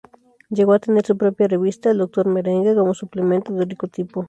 Llegó a tener su propia revista, El Doctor Merengue, como suplemento de Rico Tipo.